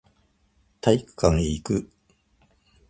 体育館へ行く